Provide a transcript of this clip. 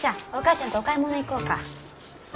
ちゃんとお買い物行こうか？